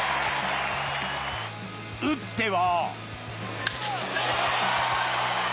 打っては。